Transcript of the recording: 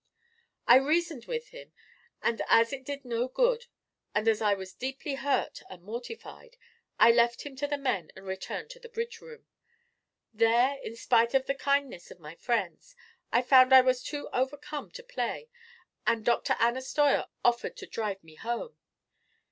"I reasoned with him, and as it did no good and as I was deeply hurt and mortified, I left him to the men and returned to the bridge room. There, in spite of the kindness of my friends, I found I was too overcome to play, and Dr. Anna Steuer offered to drive me home.